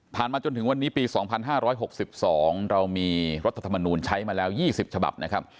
มาจนถึงวันนี้ปี๒๕๖๒เรามีรัฐธรรมนูลใช้มาแล้ว๒๐ฉบับนะครับ